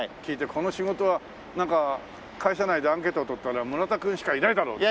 この仕事はなんか会社内でアンケートを取ったら「村田君しかいないだろう」って。